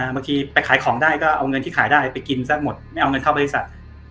ไปขายของได้ก็เอาเงินที่ขายได้ไปกินซะหมดไม่เอาเงินเข้าบริษัท